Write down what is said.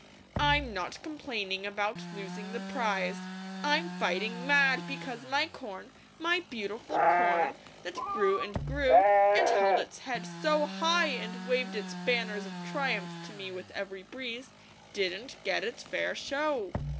"I'm not complaining about losing the prize; I'm fighting mad because my corn, my beautiful corn, that grew and grew, and held its head so high, and waved its banners of triumph to me with every breeze, didn't get its fair show.